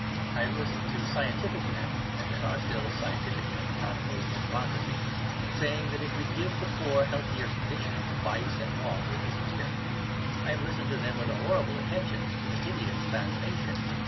I have listened to scientific men (and there are still scientific men not opposed to democracy) saying that if we give the poor healthier conditions vice and wrong will disappear. I have listened to them with a horrible attention, with a hideous fascination.